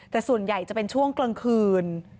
แต่ส่วนใหญ่จะเป็นช่วงกลางคืน